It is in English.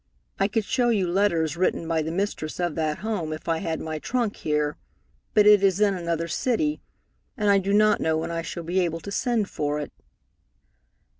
I could show you letters written by the mistress of that home if I had my trunk here, but it is in another city, and I do not know when I shall be able to send for it."